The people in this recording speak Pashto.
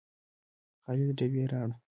خالده ډبې راوړه